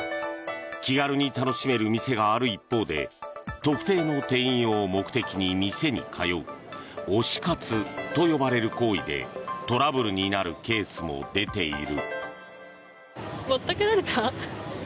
気軽に楽しめる店がある一方で特定の店員を目的に店に通う推し活と呼ばれる行為でトラブルになるケースも出ている。